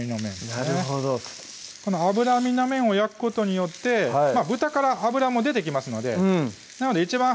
なるほどこの脂身の面を焼くことによって豚から脂も出てきますのでなので一番